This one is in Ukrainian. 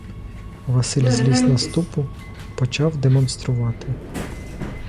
Василь зліз на ступу, почав демонструвати.